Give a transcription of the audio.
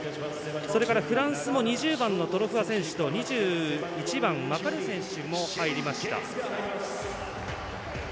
それからフランスも２０番のトロフア選手と２１番マカルー選手も入りました。